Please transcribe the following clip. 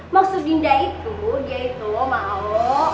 maksud dinda itu dia itu loh mau